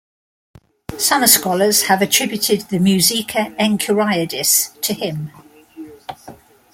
Some scholars have attributed the "Musica Enchiriadis" to him.